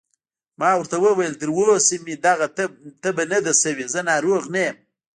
ما ورته وویل: تر اوسه مې تبه نه ده شوې، زه ناروغ نه یم.